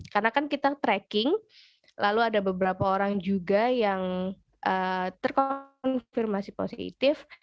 karena kan kita tracking lalu ada beberapa orang juga yang terkonfirmasi positif